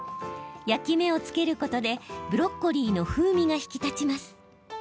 焼き目をつけることでブロッコリーの風味が引き立ちます。